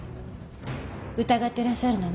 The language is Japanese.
疑ってらっしゃるのね。